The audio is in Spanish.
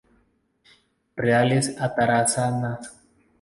Reales Atarazanas.